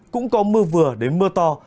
cũng có mưa vừa đến mưa to